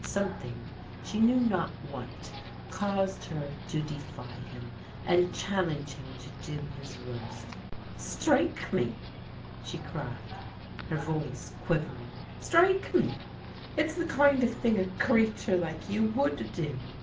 Something, she knew not what, caused her to defy him, and challenge him to do his worst " Strike me !" she cried, her voice quivering. " Strike me I It's the kind of thing a creature like you woMd do.